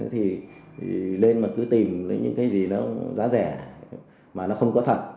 thì lên mà cứ tìm những cái gì đó giá rẻ mà nó không có thật